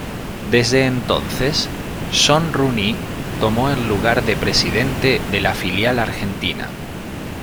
Desde entonces, Sean Rooney tomó el lugar de presidente de la filial argentina.